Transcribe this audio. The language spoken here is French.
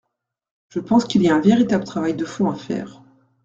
Je pense qu’il y a un véritable travail de fond à faire.